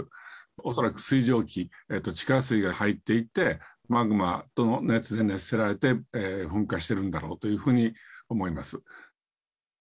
恐らく水蒸気、地下水が入っていって、マグマの熱で熱せられて噴火してるんだろうというふうに思います。